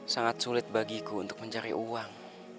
sangat sulit bagiku untuk mencari uang